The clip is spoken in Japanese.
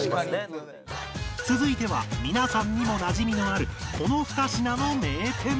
続いては皆さんにもなじみのあるこの２品の名店